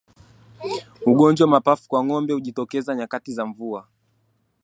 Ugonjwa wa mapafu kwa ngombe hujitokeza nyakati za mvua